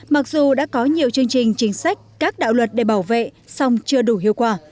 mặc dù đã có nhiều chương trình chính sách các đạo luật để bảo vệ song chưa đủ hiệu quả